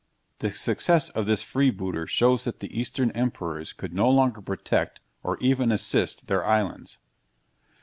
The success of this freebooter shows that the Eastern emperors could no longer protect, or even assist, their islands.